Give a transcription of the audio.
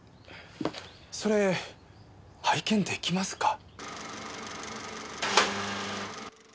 それ拝見出来ますか？